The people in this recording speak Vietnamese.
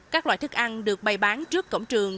các loại thức ăn được bày bán trước cổng trường